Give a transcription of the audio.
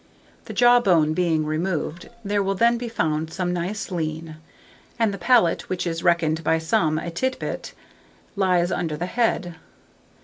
The jawbone being removed, there will then be found some nice lean; and the palate, which is reckoned by some a tit bit, lies under the head.